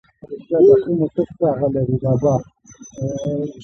کفارو مخالفت ورسره وکړ.